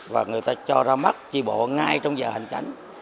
và người ta cho ra mắt chi bộ ngay trong giờ hành tránh